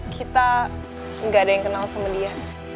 kita nggak ada yang kenal sama dia